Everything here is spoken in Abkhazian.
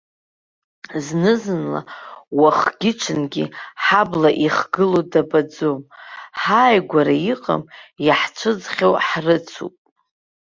Зны-зынла, уахгьы ҽынгьы ҳабла ихгылоу дабаӡом, ҳааигәара иҟам, иаҳцәыӡхьоу ҳрыцуп.